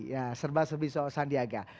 ya serba serbi soal sandiaga